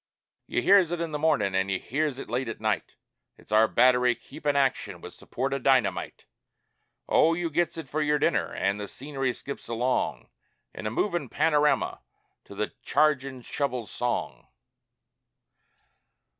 You hears it in the mornin' an' you hears it late at night It's our battery keepin' action with support o' dynamite; Oh, you gets it for your dinner, an' the scenery skips along In a movin' panorama to the chargin' shovel's song!